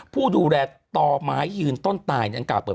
ผู้ดูแลต่อไม้ยืนต้นตาย